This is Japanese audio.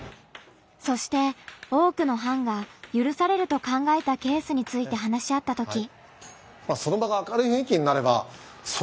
そして多くの班が「ゆるされる」と考えたケースについて話し合ったとき。